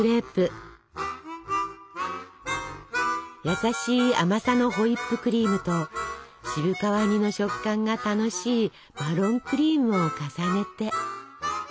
優しい甘さのホイップクリームと渋皮煮の食感が楽しいマロンクリームを重ねて。